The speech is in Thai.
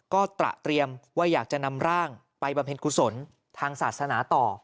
ก็ตระเตรียมว่าอยากจะนำร่างไปบำเพ็ญกุศลทางศาสนาต่อ